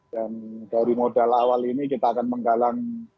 dan dari modal awal ini kita akan menggalang